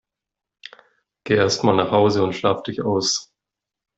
Geh erst mal nach Hause und schlaf dich aus!